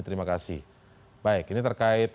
terima kasih baik ini terkait